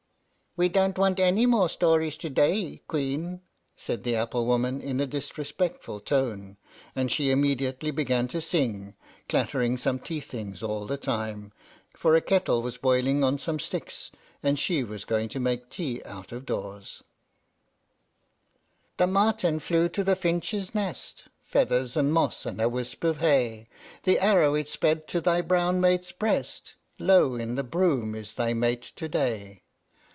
"We don't want any more stories to day, Queen," said the apple woman, in a disrespectful tone, and she immediately began to sing, clattering some tea things all the time, for a kettle was boiling on some sticks, and she was going to make tea out of doors: The marten flew to the finch's nest, Feathers, and moss, and a wisp of hay: "The arrow it sped to thy brown mate's breast; Low in the broom is thy mate to day."